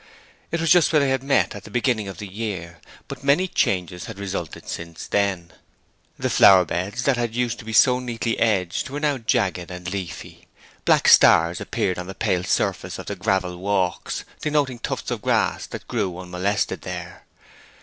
It was just where they had met at the beginning of the year, but many changes had resulted since then. The flower beds that had used to be so neatly edged were now jagged and leafy; black stars appeared on the pale surface of the gravel walks, denoting tufts of grass that grew unmolested there.